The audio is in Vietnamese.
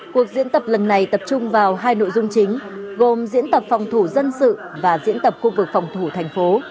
cuộc diễn tập lần này tập trung vào hai nội dung chính gồm diễn tập phòng thủ dân sự và diễn tập khu vực phòng thủ thành phố